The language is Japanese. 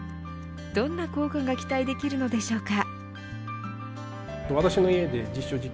どんな効果が期待できるのでしょうか。